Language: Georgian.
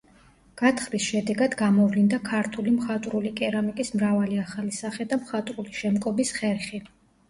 გათხრის შედეგად გამოვლინდა ქართული მხატვრული კერამიკის მრავალი ახალი სახე და მხატვრული შემკობის ხერხი.